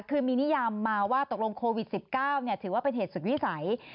คือมีนิยามมาว่าตกลงโควิด๑๙ถือว่าเป็นเหตุสุดวิสัย